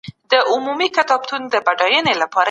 که باران ونه وریږي نو موږ به پوهنتون ته ولاړ سو.